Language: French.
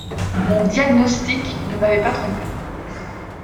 Mon diagnostic ne m’avait pas trompé.